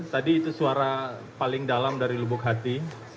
tadi itu suara paling dalam dari lubuk hati